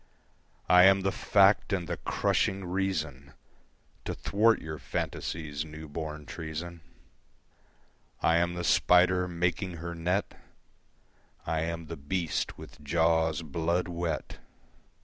I am the fact and the crushing reason To thwart your fantasy's new born treason. I am the spider making her net, I am the beast with jaws blood wet.